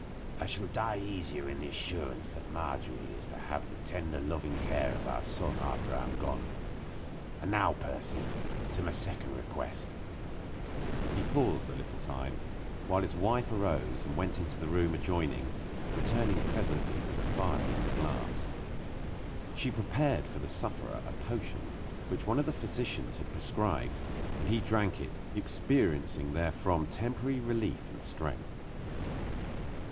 I shall die easier in the assurance that Margery is to have the tender, loving care of our son after I am gone. And now, Percy, to my second request." He paused for a little time, while his wife arose and went into the room adjoining, returning presently with a phial and a glass. She prepared for the sufferer a potion which one of the physicians had prescribed, and he drank it, experiencing therefrom temporary relief and strength.